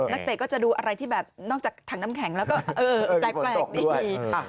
เตะก็จะดูอะไรที่แบบนอกจากถังน้ำแข็งแล้วก็แปลกดี